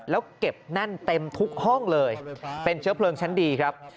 แล้วเก็บแน่นเต็มทุกห้องเลยเป็นเชื้อเพลิงชั้นดีครับ